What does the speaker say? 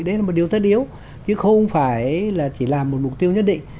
đấy là một điều tất yếu chứ không phải là chỉ làm một mục tiêu nhất định